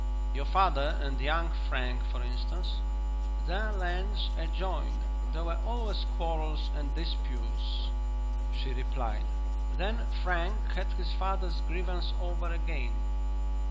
"Your father and young Frank, for instance?" "Their lands adjoin; there were always quarrels and disputes," she replied. "Then Frank had his father's grievance over again."